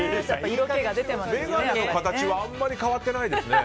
メガネの形はあまり変わっていないですね。